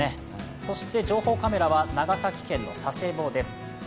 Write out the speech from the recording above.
そして情報カメラは長崎県の佐世保です。